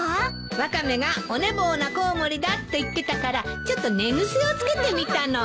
ワカメがお寝坊なコウモリだって言ってたからちょっと寝癖を付けてみたの。